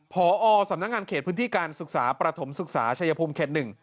พอสำนักงานเขตพื้นที่การศึกษาประถมศึกษาชายภูมิเขต๑